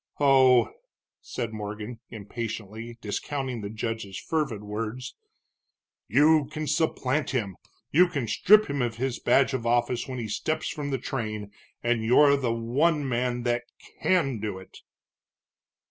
"Oh!" said Morgan, impatiently, discounting the judge's fervid words. "You can supplant him, you can strip him of his badge of office when he steps from the train, and you're the one man that can do it!"